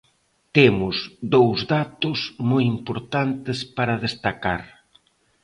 Temos dous datos moi importantes para destacar.